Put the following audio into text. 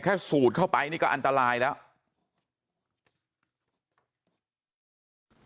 สูดเข้าไปนี่ก็อันตรายแล้ว